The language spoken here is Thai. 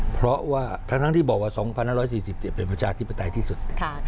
เพราะว่าทั้งที่บอกว่า๒๕๔๐เป็นประชาธิปไตยที่สุด